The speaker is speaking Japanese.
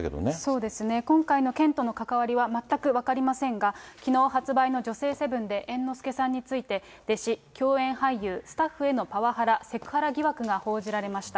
そうですね、今回の件との関わりは全く分かりませんが、きのう発売の女性セブンで、猿之助さんについて、弟子、共演俳優、スタッフへのパワハラ、セクハラ疑惑が報じられました。